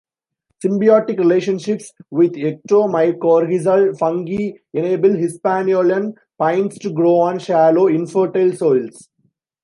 Symbiotic relationships with ectomycorrhizal fungi enable Hispaniolan pines to grow on shallow, infertile soils.